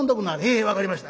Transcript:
「へえ分かりました。